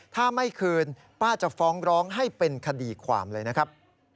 ถ้าไม่คืนป้าจะฟ้องร้องให้เป็นคดีความเลยนะครับ